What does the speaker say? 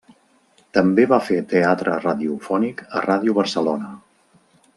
També va fer teatre radiofònic a Ràdio Barcelona.